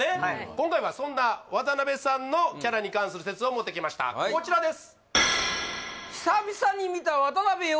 今回はそんな渡部さんのキャラに関する説を持ってきましたこちらです